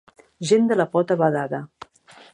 Gent de la pota badada.